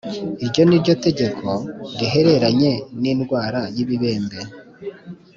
Iryo ni ryo tegeko rihereranye n indwara y ibibembe